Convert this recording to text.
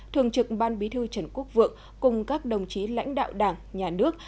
thường trực ban bí thư trần quốc vượng cùng các đồng chí lãnh đạo đảng nhà nước